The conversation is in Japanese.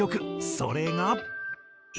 それが。